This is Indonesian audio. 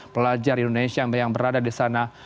pelajar indonesia yang berada di sana